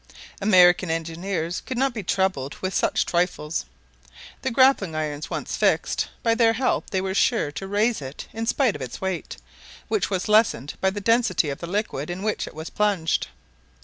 American engineers could not be troubled with such trifles. The grappling irons once fixed, by their help they were sure to raise it in spite of its weight, which was lessened by the density of the liquid in which it was plunged.